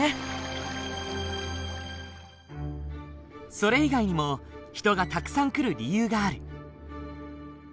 それ以外にも人がたくさん来る理由がある。